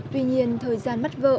tuy nhiên thời gian bắt vợ